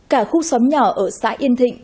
cả khu xóm nhỏ ở xã yên thịnh